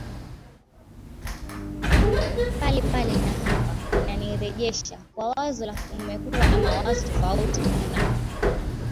pale pale Na hapa unanirejesha kwa wazo la kumekuwa na mawazo tofauti kuna